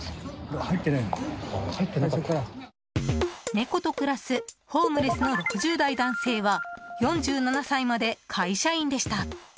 猫と暮らすホームレスの６０代男性は４７歳まで会社員でした。